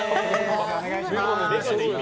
お願いします。